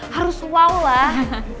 harus wow lah